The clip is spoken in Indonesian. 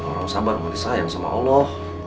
orang sabar mau disayang sama allah